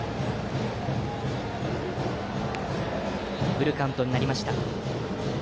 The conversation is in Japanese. フルカウントになりました。